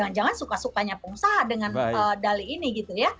jangan jangan suka sukanya pengusaha dengan dali ini gitu ya